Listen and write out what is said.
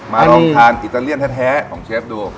ลองทานอิตาเลียนแท้ของเชฟดู